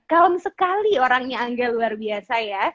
kalem sekali orangnya angga luar biasa ya